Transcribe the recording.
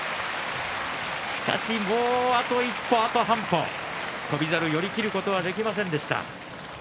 しかし、もうあと一歩、あと半歩翔猿、寄り切ることができませんでした。